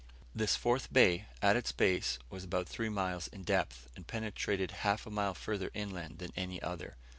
This fourth bay, at its base, was about three miles in depth, and penetrated half a mile further inland than any other.